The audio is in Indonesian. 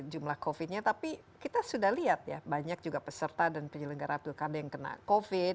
jumlah covid nya tapi kita sudah lihat ya banyak juga peserta dan penyelenggara pilkada yang kena covid